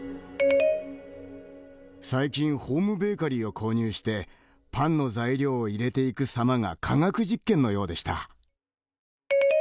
「最近ホームベーカリーを購入して、パンの材料を入れていくさまが科学実験のようでした」